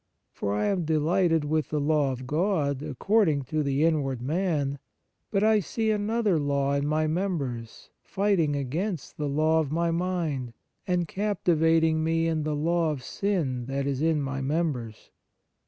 For I am delighted with the law of God, according to the inward man : but I see another law in my members, fighting against the law of my mind, and captivating me in the law of sin, that is in my members.